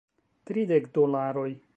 Tridek dolaroj